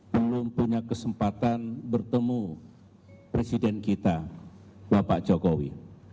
belum punya kesempatan bertemu presiden kita bapak jokowi